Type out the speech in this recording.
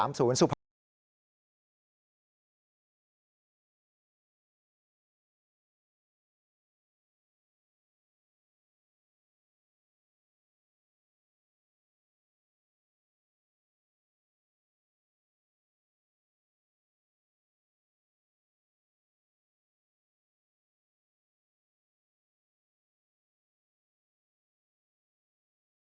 โปรดติดตามตอนต่อไป